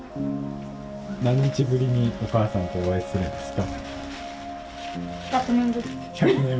何日ぶりにお母さんとお会いするんですか？